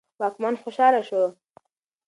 واکمن خوشاله شو.